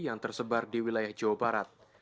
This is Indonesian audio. yang tersebar di wilayah jawa barat